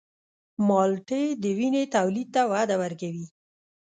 مالټې د وینې تولید ته وده ورکوي.